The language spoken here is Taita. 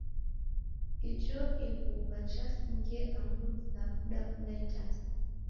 Ijo ighuw'a jasingie, angu ni sa kudafuna itasa?